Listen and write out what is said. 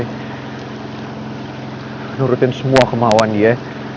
menurutin semua kemauan dia